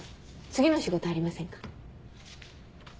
次の仕事ありませんか？